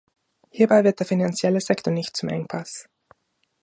Hierbei wird der finanzielle Sektor nicht zum Engpass.